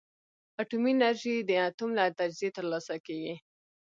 اټومي انرژي د اتوم له تجزیې ترلاسه کېږي.